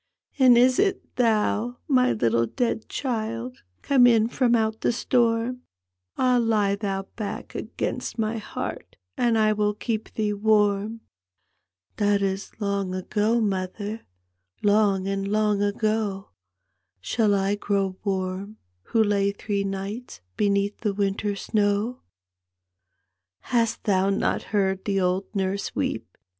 " And is it thou, my little dead child, Come in from out the stonn? Ah, lie thou back against my heart, And I will keep thee wann! " That is long ago, mother, Lang and long ago! Shall I grow warm who lay three nights Beneath the winter snowf " Hast thou not heard the old nurse weep?